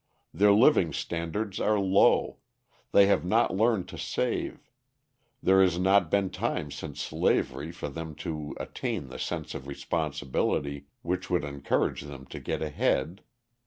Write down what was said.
Their living standards are low; they have not learned to save; there has not been time since slavery for them to attain the sense of responsibility which would encourage them to get ahead.